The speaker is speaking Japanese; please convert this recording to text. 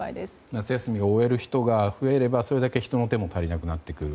夏休みを終える人が増えれば、それだけ人の手が足りなくなってくる。